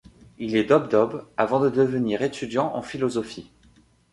Il est dob-dob, avant de devenir étudiant en philosophie.